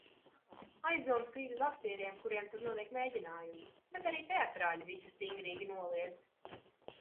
Aizdomas krīt uz aktieriem, kuriem tur notiek mēģinājumi, bet arī teatrāļi visu stingrīgi noliedz.